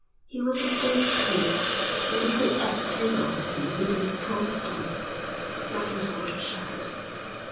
He was a dirty feeder, and to sit at table with him needed a strong stomach. Mackintosh shuddered.